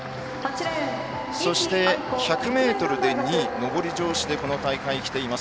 そして１００ｍ２位上り調子でこの大会にきています